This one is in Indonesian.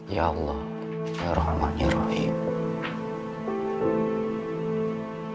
ya allah ya rahman ya rahim